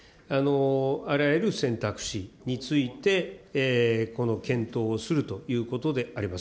あらゆる選択肢について、この検討をするということであります。